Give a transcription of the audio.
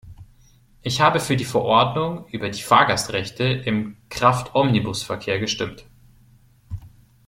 Ich habe für die Verordnung über die Fahrgastrechte im Kraftomnibusverkehr gestimmt.